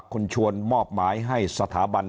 คุณชวนมอบหมายให้สถาบัน